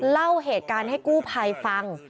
เล่าเหตุการณ์ให้กู้ภัยฟัง